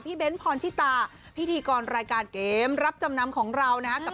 เบ้นพรชิตาพิธีกรรายการเกมรับจำนำของเรานะครับ